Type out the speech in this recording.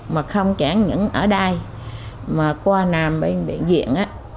mà không chẳng những ở đây mà qua nằm bên bệnh viện